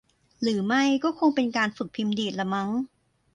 หรือไม่ก็คงเป็นการฝึกพิมพ์ดีดละมั้ง